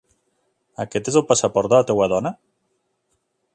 Aquest és el passaport de la teva dona?